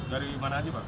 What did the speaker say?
dari mana aja pak